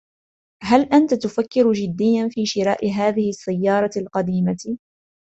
هل أنت تفكر جديا في شراء هذه السيارة القديمة ؟